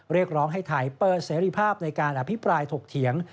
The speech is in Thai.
เรียกร้องให้ไทยเปิดเสรีภาพในการอภิปรายถกเถียง